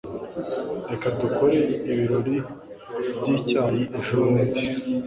Reka dukore ibirori byicyayi ejobundi.